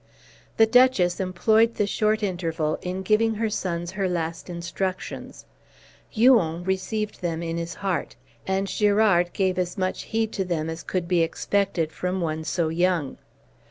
The Duchess employed the short interval in giving her sons her last instructions. Huon received them in his heart, and Girard gave as much heed to them as could be expected from one so young.